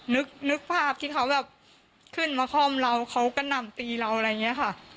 นึกนึกภาพที่เขาแบบขึ้นมาคล่อมเราเขากระหน่ำตีเราอะไรเงี้ยค่ะ